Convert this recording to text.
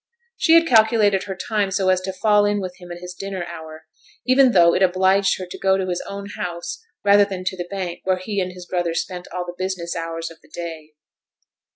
She had calculated her time so as to fall in with him at his dinner hour, even though it obliged her to go to his own house rather than to the bank where he and his brother spent all the business hours of the day.